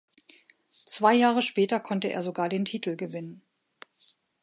Zwei Jahre später konnte er sogar den Titel gewinnen.